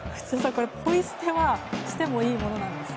ポイ捨てはしてもいいものなんですか？